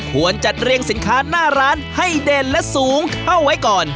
ควรจัดเรียงสินค้าหน้าร้านให้เด่นและสูงเข้าไว้ก่อน